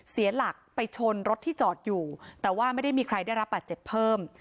เสียหลักไปชนรถที่จอดอยู่แต่ว่าไม่ได้มีใครได้รับบาดเจ็บเพิ่ม